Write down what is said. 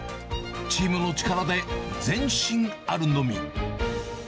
チームの力で前進あるのみ。